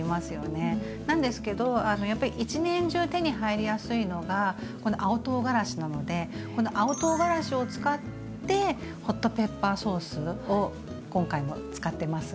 なんですけどやっぱり一年中手に入りやすいのがこの青とうがらしなのでこの青とうがらしを使ってホットペッパーソースを今回も使ってます。